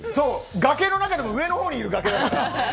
崖の中でも上のほうにいる崖だから。